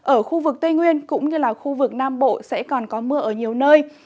ở khu vực tây nguyên cũng như là khu vực nam bộ sẽ còn có mưa ở nhiều nơi